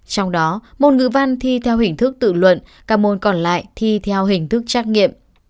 trong đó môn ngữ văn thi theo hình thức tự luận các môn còn lại thi theo hình thức trắc nghiệm